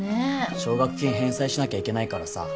奨学金返済しなきゃいけないからさ。